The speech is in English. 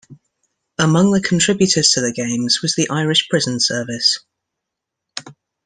Among the contributors to the Games was the Irish Prison Service.